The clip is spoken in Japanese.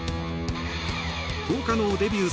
１０日のデビュー